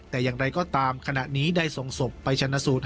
แต่อย่างไรก็ตามขณะนี้ได้ส่งศพไปชนะสูตร